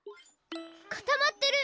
かたまってる！